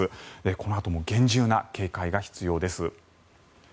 このあとも厳重な警戒が必要です。